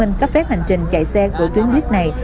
xin cấp phép hành trình chạy xe của tuyến buýt này